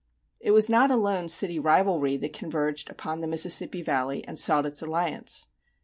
It was not alone city rivalry that converged upon the Mississippi Valley and sought its alliance.